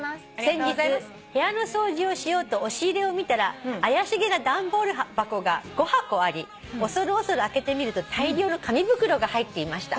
「先日部屋の掃除をしようと押し入れを見たら怪しげな段ボール箱が５箱あり恐る恐る開けてみると大量の紙袋が入っていました」